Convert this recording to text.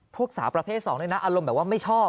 สาวประเภท๒ด้วยนะอารมณ์แบบว่าไม่ชอบ